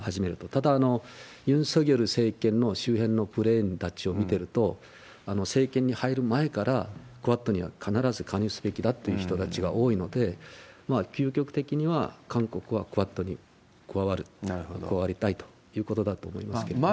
ただ、ユン・ソギョル政権の周辺のブレーンたちを見ていると、政権に入る前から、クアッドには必ず加入すべきだという人たちが多いので、究極的には、韓国はクアッドに加わる、加わりたいということだと思いますけれども。